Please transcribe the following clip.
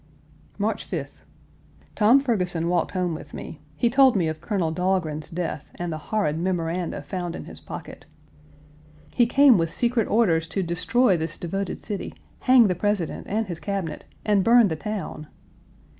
March 5th. Tom Fergurson walked home with me. He told me of Colonel Dahlgren's1 death and the horrid memoranda found in his pocket. He came with secret orders to destroy this devoted city, hang the President and his Cabinet, and burn the town!